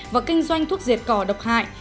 và kinh doanh thuốc diệt cỏ độc hại